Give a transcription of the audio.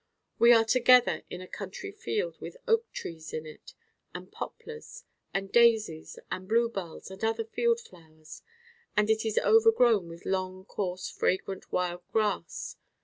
We are together in a country field with oak trees in it, and poplars, and daisies and bluebells and other field flowers, and it is overgrown with long coarse fragrant wild grass.